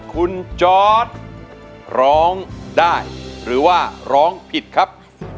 คุณจอร์ดร้องได้หรือว่าร้องผิดครับ